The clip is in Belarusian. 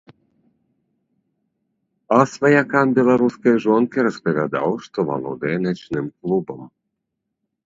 А сваякам беларускай жонкі распавядаў, што валодае начным клубам.